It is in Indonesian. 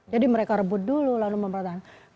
jadi mereka rebut dulu lalu mempertahankan